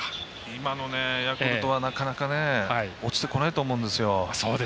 今のヤクルトは、なかなか落ちてこないと思うんですよ。